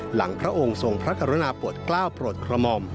หลังพระองค์ทรงพระกรณาปวดเกล้าโปรดขระมอม